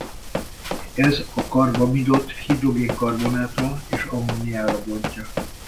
Ez a karbamidot hidrogén-karbonátra és ammóniára bontja.